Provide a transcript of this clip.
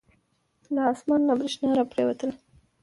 له اسمان نه بریښنا را پریوتله.